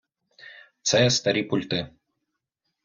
Це старі пульти.